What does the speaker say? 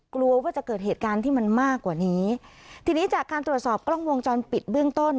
กลัวว่าจะเกิดเหตุการณ์ที่มันมากกว่านี้ทีนี้จากการตรวจสอบกล้องวงจรปิดเบื้องต้น